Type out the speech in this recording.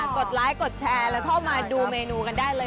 ดไลค์กดแชร์แล้วเข้ามาดูเมนูกันได้เลย